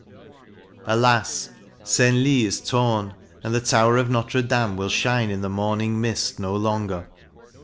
Alas, Senlis is torn, and the tower of Notre Dame will shine in the morning mist no longer!